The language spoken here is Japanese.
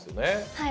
はい。